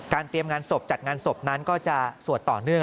เตรียมงานศพจัดงานศพนั้นก็จะสวดต่อเนื่อง